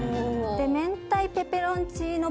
明太ペペロンチーノ